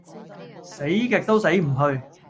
死極都死唔去